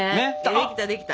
できたできた。